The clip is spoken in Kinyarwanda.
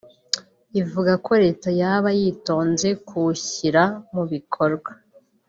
ivuga ko leta yaba yitonze kuwushyira mu bikorwa